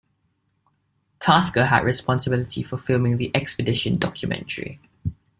Tasker had responsibility for filming the expedition documentary.